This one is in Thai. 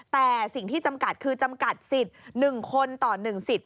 แต่สิ่งที่จำกัดคือจำกัดสิทธิ์๑คนต่อ๑สิทธิ์